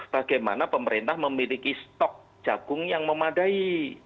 bagaimana pemerintah memiliki stok jagung yang memadai